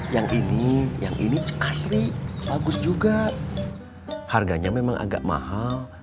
yang ini memang agak mahal